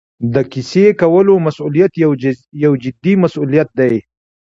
د کیسې کولو مسوولیت یو جدي مسوولیت دی.